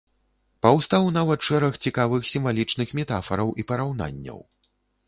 Паўстаў нават шэраг цікавых сімвалічных метафараў і параўнанняў.